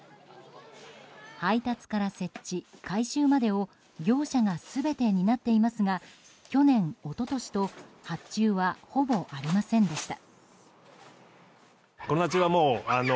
配達から設置、回収までを業者が全て担っていますが去年、一昨年と発注はほぼありませんでした。